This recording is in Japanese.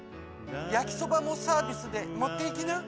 やきそばもサービスでもっていきな！